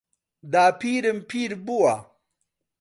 داپیرم پیر بووە.